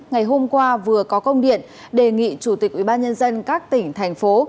ngày hôm qua vừa có công điện đề nghị chủ tịch ubnd các tỉnh thành phố